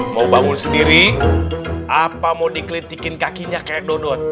mau bangun sendiri apa mau dikelitikin kakinya kayak dot dot